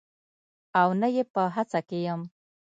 او نه یې په هڅه کې یم